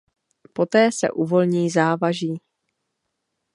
Poté se uvolní závaží.